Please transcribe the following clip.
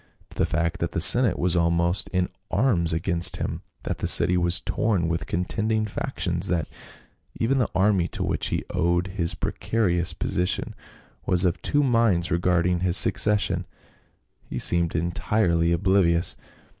To the fact that the senate was almost in arms against him, that the city was torn with contending factions, that even the army to which he owed his precarious posi tion was of two minds regarding his succession, he seemed entirely oblivious.